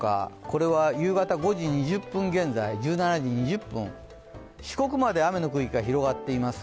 これは夕方１７時２０分現在、四国まで雨の区域が広がっています。